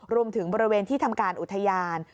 รวมถึงบริเวณที่ทำการอุทยาน